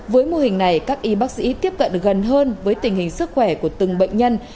với mô hình này các y bác sĩ tiếp cận gần hơn với tình hình sức khỏe của từng bệnh nhân